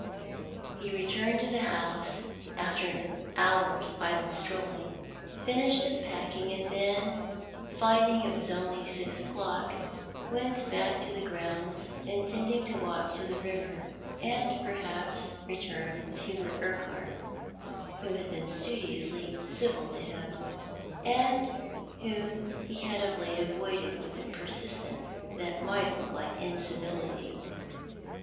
He returned to the house, after an hour's idle strolling, finislied his packing, and then, finding it Avas only six o'clock, went back to the grounds, intending to walk to the river, and perhaps return with Hubert Urquhart, who had been studiously civil to him, and whom he had of late avoided with a persistence that might look like incivility.